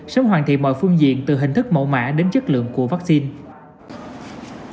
sớm hoàn thiện mọi phương diện từ hình thức mẫu mã đến chất lượng của vaccine